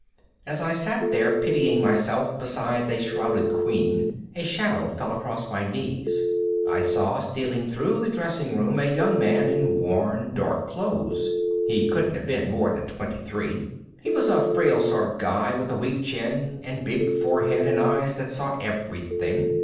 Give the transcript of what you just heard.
As I sat there pitying myself beside a shrouded queen, a shadow fell across my knees. I saw stealing through the dressing room a young man in worn dark clothes. He couldn't have been more than twenty three. He was a frail sort of guy with a weak chin and big forehead and eyes that saw everything.